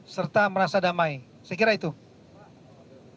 serta merasa damai saya kira itu saja dan selamat tinggal